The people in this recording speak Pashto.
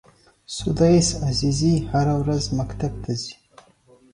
سُدیس عزیزي هره ورځ مکتب ته ځي.